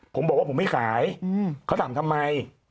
ผมบอกว่าผมไม่ขายเขาถามทำไม